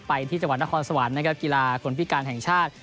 ไปที่จังหวัดนครสวรรค์นะครับกีฬาคนพิการแห่งชาติ